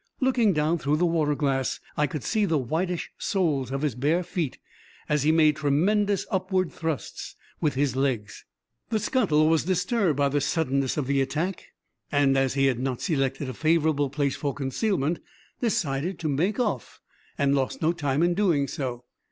Looking down through the water glass I could see the whitish soles of his bare feet as he made tremendous upward thrusts with his legs. The scuttle was disturbed by the suddenness of the attack, and as he had not selected a favorable place for concealment, decided to make off, and lost no time in doing so.